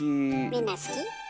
みんな好き？